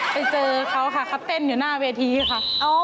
ไปเจอเขาค่ะเขาเต้นอยู่หน้าเวทีค่ะ